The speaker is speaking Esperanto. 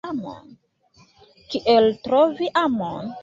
Kiel trovi amon?